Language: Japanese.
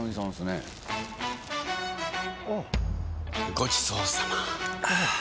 ごちそうさま。